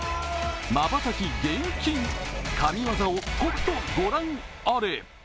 まばたき厳禁、神業をとくと御覧あれ。